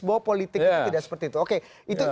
bahwa politik itu tidak seperti itu